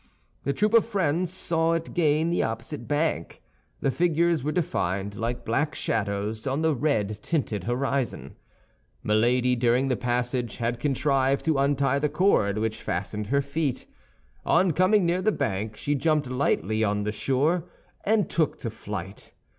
The troop of friends saw it gain the opposite bank; the figures were defined like black shadows on the red tinted horizon. Milady, during the passage had contrived to untie the cord which fastened her feet. On coming near the bank, she jumped lightly on shore and took to flight.